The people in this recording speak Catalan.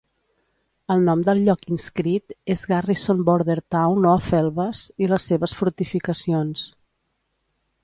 El nom del lloc inscrit és Garrison Border Town of Elvas i les seves Fortificacions.